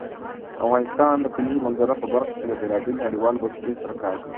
افغانستان د کلیزو منظره په برخه کې له بېلابېلو نړیوالو بنسټونو سره کار کوي.